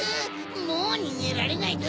もうにげられないぞ！